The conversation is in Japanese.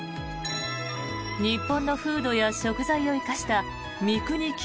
日本の風土や食材を生かした三國清